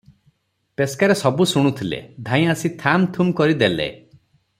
ପେସ୍କାରେ ସବୁ ଶୁଣୁଥିଲେ, ଧାଇଁ ଆସି ଥାମ ଥୁମ କରି ଦେଲେ ।